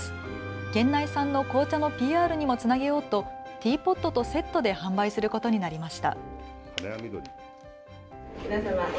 県内産の紅茶のＰＲにもつなげようとティーポットとセットで販売することになりました。